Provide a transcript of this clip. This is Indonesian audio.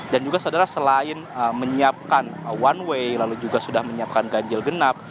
dan juga selain menyiapkan one way lalu juga sudah menyiapkan ganjil genap